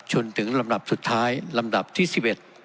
จนถึงลำดับสุดท้ายลำดับที่๑๑